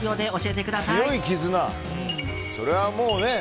それはもうね。